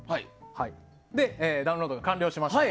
ダウンロードが完了しましたと。